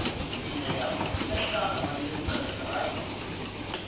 என்னிடம் எதற்காக வந்து சொல்லுகிறாய்?